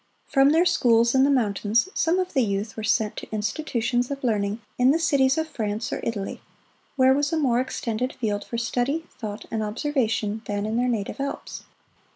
From their schools in the mountains some of the youth were sent to institutions of learning in the cities of France or Italy, where was a more extended field for study, thought, and observation than in their native Alps.